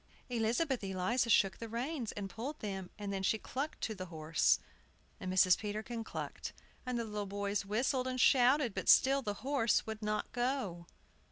Elizabeth Eliza shook the reins, and pulled them, and then she clucked to the horse; and Mrs. Peterkin clucked; and the little boys whistled and shouted; but still the horse would not go.